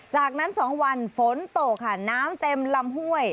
จากนั้น๒วันฝนตกค่ะน้ำเต็มลำห้วย